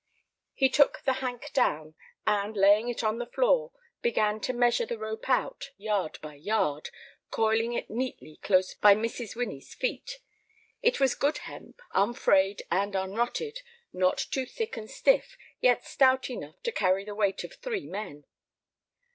He took the hank down, and, laying it on the floor, began to measure the rope out, yard by yard, coiling it neatly close by Mrs. Winnie's feet. It was good hemp, unfrayed and unrotted, not too thick and stiff, yet stout enough to carry the weight of three men.